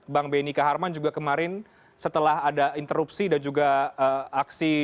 bang benny kaharman juga kemarin setelah ada interupsi dan juga aksi